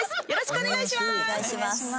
よろしくお願いします。